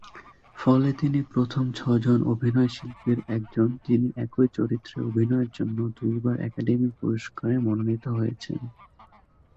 ফলে তিনি প্রথম ছয়জন অভিনয়শিল্পীর একজন যিনি একই চরিত্রে অভিনয়ের জন্য দুইবার একাডেমি পুরস্কারে মনোনীত হয়েছেন।